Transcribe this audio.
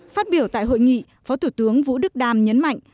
phát biểu tại hội nghị phó thủ tướng vũ đức đam nhấn mạnh